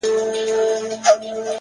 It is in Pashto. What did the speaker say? زما کور ته چي راسي زه پر کور يمه ـ